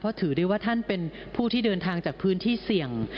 เพราะถือได้ว่าท่านเป็นผู้ที่เดินทางจากพื้นที่เสี่ยง